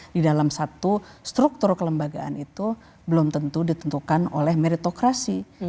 di dalam satu struktur kelembagaan itu belum tentu ditentukan oleh meritokrasi